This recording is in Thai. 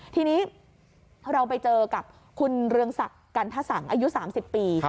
ทีนี้เราไปเจอกับคุณเรืองศักดิ์กันทะสังอายุ๓๐ปี